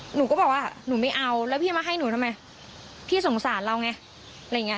หนูก็บอกว่าหนูไม่เอาแล้วพี่มาให้หนูทำไมพี่สงสารเราไงอะไรอย่างเงี้